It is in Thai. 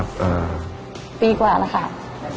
ปีกว่าละค่ะ